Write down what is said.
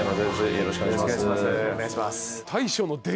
よろしくお願いします。